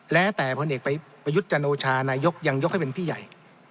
แล้วแต่ผลเอกประยุทธ์จันโอชานายกยังยกให้เป็นพี่ใหญ่